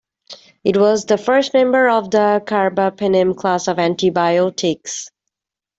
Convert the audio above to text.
It was the first member of the carbapenem class of antibiotics.